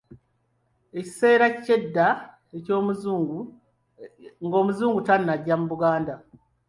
Ekiseera eky’edda ng’Omuzungu tannajja, mu Buganda.